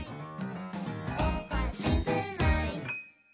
「おかしくない」